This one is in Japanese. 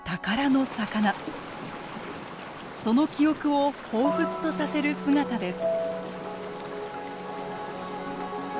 その記憶をほうふつとさせる姿です。